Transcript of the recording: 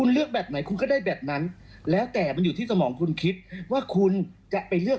ประกาศครับใครอยากเป็นลูกเขยลุงรงติดต่อเข้ามา